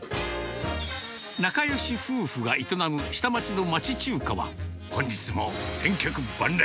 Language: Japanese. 仲よし夫婦が営む下町の町中華は、本日も千客万来。